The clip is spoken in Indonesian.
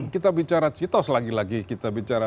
kita bicara citos lagi lagi kita bicara